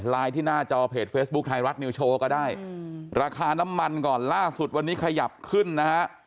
ที่หน้าจอเพจเฟซบุ๊คไทยรัฐนิวโชว์ก็ได้ราคาน้ำมันก่อนล่าสุดวันนี้ขยับขึ้นนะฮะ